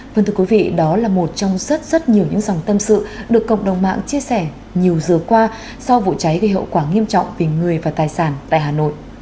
vâng thưa quý vị đó là một trong rất rất nhiều những dòng tâm sự được cộng đồng mạng chia sẻ nhiều giờ qua sau vụ cháy gây hậu quả nghiêm trọng về người và tài sản tại hà nội